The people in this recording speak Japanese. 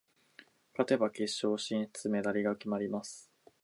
勝てば決勝進出、メダルが決まります。